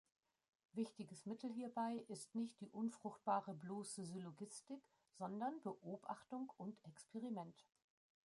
Wichtiges Mittel hierbei ist nicht die unfruchtbare bloße Syllogistik, sondern Beobachtung und Experiment.